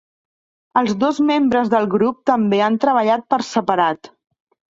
Els dos membres del grup també han treballat per separat.